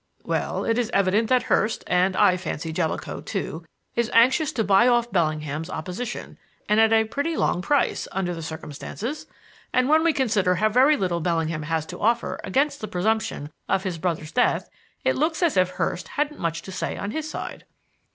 "Well, it is evident that Hurst and, I fancy, Jellicoe too is anxious to buy off Bellingham's opposition, and at a pretty long price, under the circumstances. And when we consider how very little Bellingham has to offer against the presumption of his brother's death, it looks as if Hurst hadn't much to say on his side."